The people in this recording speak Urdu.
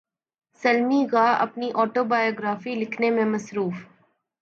سلمی غا اپنی اٹوبایوگرافی لکھنے میں مصروف